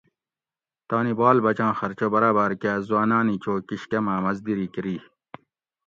تانی بال بچاں خرچہ براباۤر کاۤ زُواناۤن ای چو کِشکۤماۤ مزدیری کۤری